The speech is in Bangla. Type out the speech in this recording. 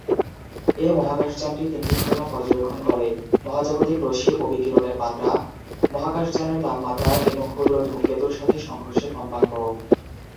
এই মহাকাশযানটি তিনটি ঘটনা পর্যবেক্ষণ করে: মহাজাগতিক রশ্মি ও বিকিরণের মাত্রা, মহাকাশযানের তাপমাত্রা এবং ক্ষুদ্র ধূমকেতুর সাথে সংঘর্ষের কম্পাঙ্ক।